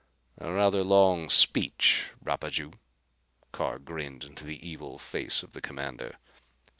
"A rather long speech, Rapaju." Carr grinned into the evil face of the commander.